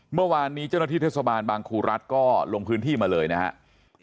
เมื่อวานนี้เจ้าหน้าที่เทศบาลบางครูรัฐก็ลงพื้นที่มาเลยนะครับ